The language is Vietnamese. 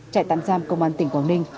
trại tàn giam công an tỉnh quảng ninh